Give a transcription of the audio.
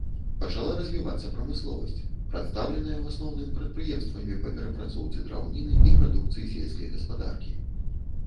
Пачала развівацца прамысловасць, прадстаўленая ў асноўным прадпрыемствамі па перапрацоўцы драўніны і прадукцыі сельскай гаспадаркі.